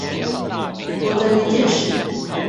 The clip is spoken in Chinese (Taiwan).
我的理解是